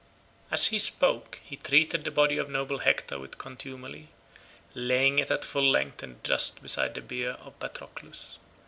As he spoke he treated the body of noble Hector with contumely, laying it at full length in the dust beside the bier of Patroclus.